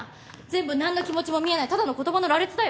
全部なんの気持ちも見えないただの言葉の羅列だよ。